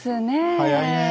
早いねえ。